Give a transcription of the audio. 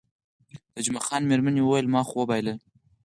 د جمعه خان میرمنې وویل، ما خو وبایلل.